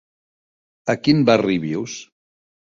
A quin barri vius?